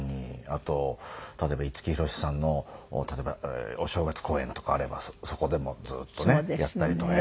あと例えば五木ひろしさんのお正月公演とかあればそこでもずっとねやったりとか。